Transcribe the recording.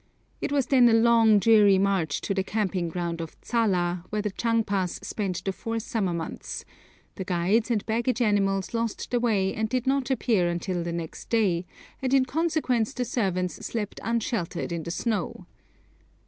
It was then a long dreary march to the camping ground of Tsala, where the Chang pas spend the four summer months; the guides and baggage animals lost the way and did not appear until the next day, and in consequence the servants slept unsheltered in the snow.